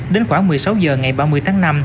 đến khoảng một mươi sáu h ngày ba mươi tháng năm